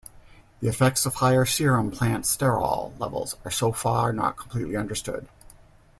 The effects of higher serum plant sterol levels are so far not completely understood.